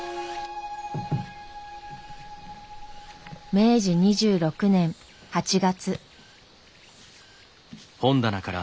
明治２６年８月。